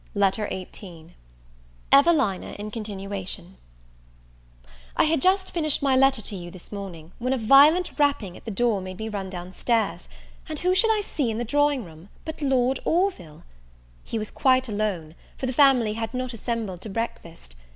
LETTER XVIII EVELINA IN CONTINUATION I HAD just finished my letter to you this morning, when a violent rapping at the door made me run down stairs; and who should I see in the drawing room, but Lord Orville! He was quite alone, for the family had not assembled to breakfast.